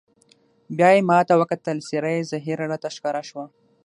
بیا یې ما ته وکتل، څېره یې زهېره راته ښکاره شوه.